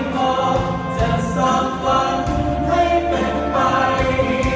แต่สักวันให้เป็นไป